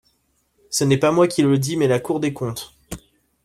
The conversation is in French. Ce n’est pas moi qui le dis, mais la Cour des comptes.